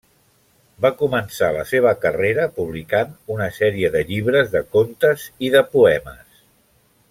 Va començar la seva carrera publicant una sèrie de llibres de contes i de poemes.